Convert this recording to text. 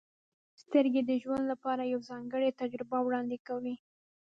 • سترګې د ژوند لپاره یوه ځانګړې تجربه وړاندې کوي.